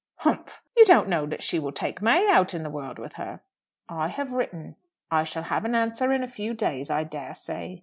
"Humph! You don't know that she will take May out into the world with her?" "I have written. I shall have an answer in a few days, I dare say.